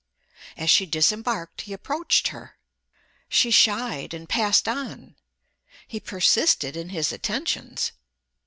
As she disembarked he approached her. She shied and passed on. He persisted in his attentions.